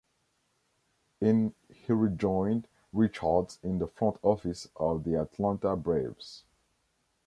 In he rejoined Richards in the front office of the Atlanta Braves.